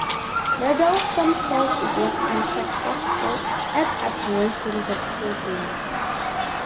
Mendelson felt it was unsuccessful at addressing the problem.